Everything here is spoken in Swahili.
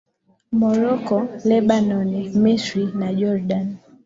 morocco lebanon misiri na jordan